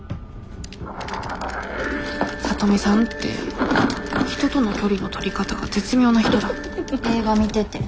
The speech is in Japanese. ・聡美さんって人との距離のとり方が絶妙な人だ映画見てて。